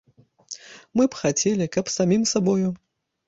Мы б хацелі, каб самім сабою.